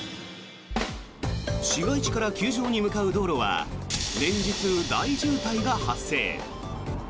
市街地から球場に向かう道路は連日、大渋滞が発生。